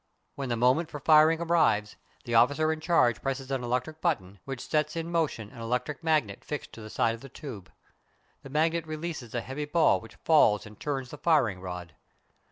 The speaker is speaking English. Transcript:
When the moment for firing arrives, the officer in charge presses an electric button, which sets in motion an electric magnet fixed to the side of the tube. The magnet releases a heavy ball which falls and turns the "firing rod."